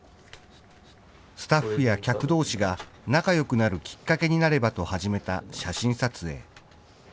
スタッフや客どうしが仲よくなるきっかけになればと始めた写真撮影。